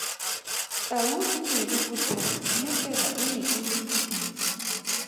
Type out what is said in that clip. Tau e ne e le botlhofo mme peba e ne e le boima.